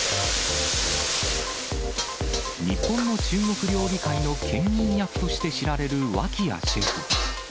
日本の中国料理界のけん引役として知られる脇屋シェフ。